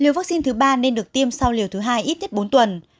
liều vaccine thứ ba nên được tiêm sau liều thứ hai ít nhất bốn tuần